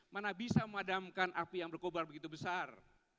mana bisa memadamkan api yang berkobar begitu besar